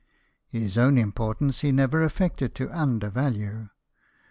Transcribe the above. His own importance he never affected to undervalue.